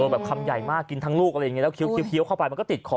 โอ้แบบคำใหญ่มากกินทั้งลูกอะไรอย่างงี้แล้วเคี้ยวเคี้ยวเคี้ยวเข้าไปมันก็ติดคอ